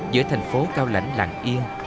giữa thành phố cao lãnh lặng yên